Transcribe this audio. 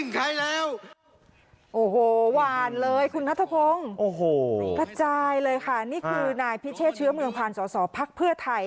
กระจายเลยค่ะนี่คือนายพิเชษเชื้อเมืองพาลสอสอภักดิ์เพื่อไทย